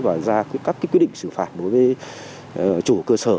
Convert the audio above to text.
và ra các quyết định xử phạt đối với chủ cơ sở